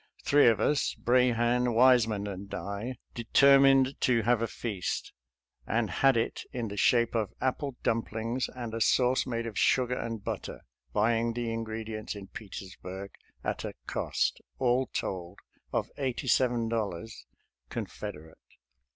Three of us — Brahan, Wiseman, and I — determined to have a feast, and had it in the shape of apple dumplings and a sauce made of sugar and but ter, buying the ingredients in Petersburg at a cost, all told, of eighty seven dollars (Confed erate).